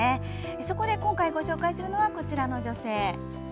そこで今回ご紹介するのはこちらの女性。